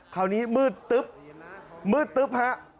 คราวนี้มืดตึ๊บมืดตึ๊บฮะ